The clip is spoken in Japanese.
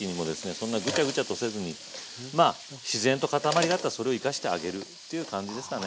そんなグチャグチャとせずにまあ自然と塊があったらそれを生かしてあげるっていう感じですかね。